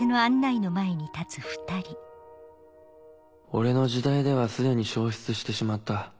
俺の時代ではすでに焼失してしまった。